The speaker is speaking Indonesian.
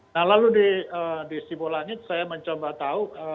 nah lalu di sibu langit saya mencoba tahu